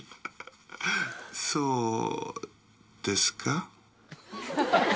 そうですか？